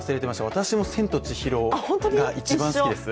私も「千と千尋」が一番好きです。